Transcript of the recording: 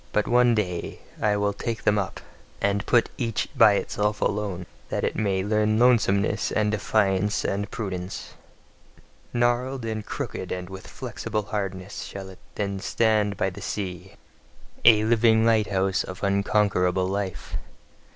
But one day will I take them up, and put each by itself alone: that it may learn lonesomeness and defiance and prudence. Gnarled and crooked and with flexible hardness shall it then stand by the sea, a living lighthouse of unconquerable life.